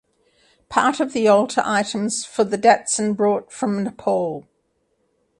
Part of the altar items for the datsan brought from Nepal.